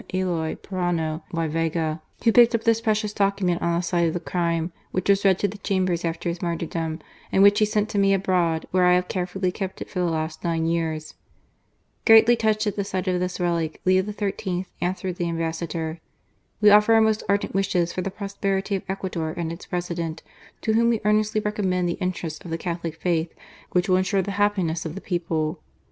Eloy Proano y Vega, who picked up this precious docu ment on the site of the crime, which was read to the Chambers after his martyrdom, and which he sent to me abroad, where I have carefully kept it for the last nine years.'' i 332 ECUADOR AFTER GAJiClA MOSETtO. Greatly touched at the sight of this relic, Leo Xin. answered the Ambassador: " We offer our most ardent wishes for the pros perity of Ecuador and its President, to whom wc earnestly recommend the interests of the Catholic Faith, which will ensure the happiness of the people.